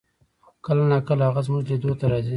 کله نا کله هغه زمونږ لیدو ته راځي